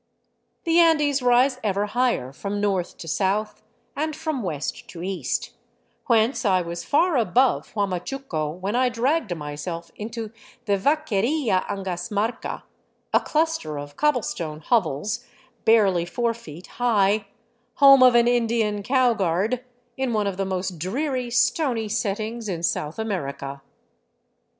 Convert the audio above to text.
The Andes rise ever higher from north to south and from west to east, whence I was far above Huamachuco when I dragged myself into the " Vaqueria Angasmarca," a cluster of cobblestone hovels barely four feet high, home of an Indian cow guard, in one of the most dreary, stony settings in South ■ America.